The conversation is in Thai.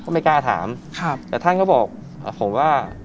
ไม่กล้าถามครับแต่ท่านก็บอกผมว่า